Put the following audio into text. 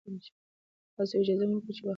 تاسو مه اجازه ورکوئ چې وخت مو ضایع شي.